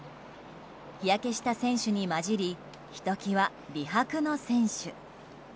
日焼けした選手に交じりひときわ美白の選手。